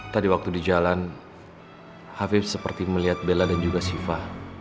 tadi waktu di jalan hafib seperti melihat bella dan juga siva